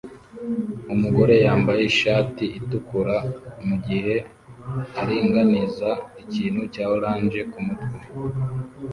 Umugore yambaye ishati itukura mugihe aringaniza ikintu cya orange kumutwe